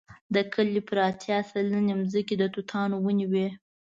د کلي پر اتیا سلنې ځمکې د توتانو ونې وې.